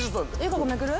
ここめくる？